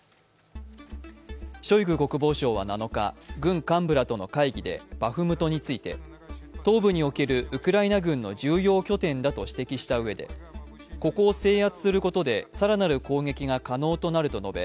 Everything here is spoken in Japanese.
ショイグ国防相は７日、軍幹部らとの会議でバフムトについて東部におけるウクライナ軍の重要拠点だと指摘したうえでここを制圧することで更なる攻撃が可能となると述べ